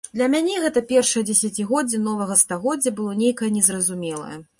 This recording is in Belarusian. Для мяне гэта першае дзесяцігоддзе новага стагоддзя было нейкае незразумелае.